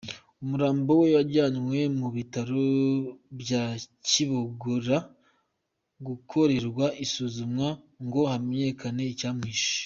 Umurambo we wajyanywe mu bitaro bya Kibogora gukorerwa isuzuma ngo hamenyekane icyamwishe.